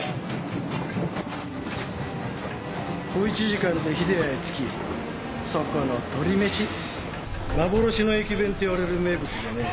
小１時間で日出谷へ着きそこの鳥めし「幻の駅弁」っていわれる名物でね。